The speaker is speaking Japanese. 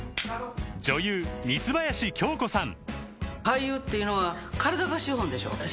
女優三林京子さん